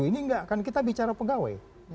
ini enggak kan kita bicara pegawai